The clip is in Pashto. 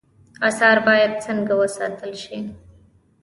آثار باید څنګه وساتل شي؟